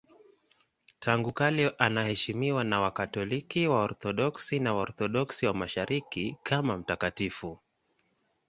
Tangu kale anaheshimiwa na Wakatoliki, Waorthodoksi na Waorthodoksi wa Mashariki kama mtakatifu.